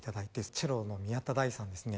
チェロの宮田大さんですね